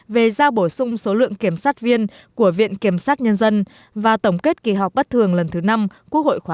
về giao bổ sung số lượng kiểm sát viên của viện kiểm sát nhân dân và tổng kết kỳ họp bất thường lần thứ năm quốc hội khóa một mươi